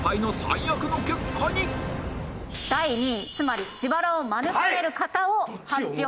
第２位つまり自腹を免れる方を発表致します。